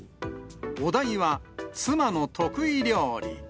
お題は妻の得意料理。